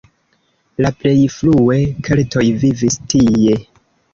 La plej frue keltoj vivis tie.